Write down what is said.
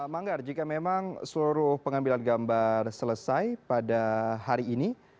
manggar jika memang seluruh pengambilan gambar selesai pada hari ini